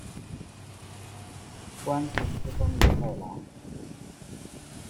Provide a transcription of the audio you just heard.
官至司封员外郎。